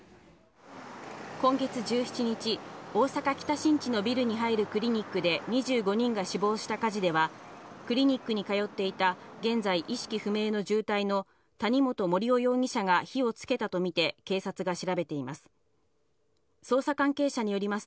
今月１７日、大阪・北新地のビルに入るクリニックで２５人が死亡した火事では、クリニックに通っていた現在意識不明の重体の谷本盛雄容疑者が火をつけたとみて警察が調べています。